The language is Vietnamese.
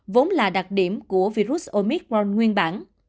vốn là đặc điểm của virus omicron nguyên bản